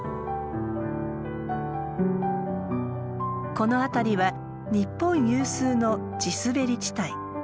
この辺りは日本有数の地すべり地帯。